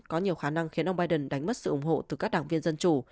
có nhiều khả năng khiến ông biden đánh mất sự ủng hộ từ các đảng viên dân chủ